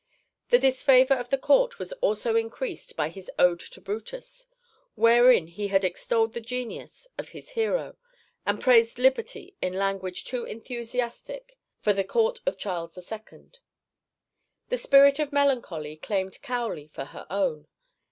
The disfavour of the Court was also increased by his Ode to Brutus, wherein he had extolled the genius of his hero, and praised liberty in language too enthusiastic for the Court of Charles II. The spirit of melancholy claimed Cowley for her own.